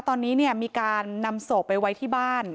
ตอนนี้มีการนำศพไปไว้ที่บ้าน